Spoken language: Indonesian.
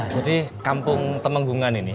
jadi kampung temenggungan ini